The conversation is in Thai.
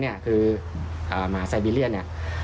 ขนเขาคือหมาไซบีเรียน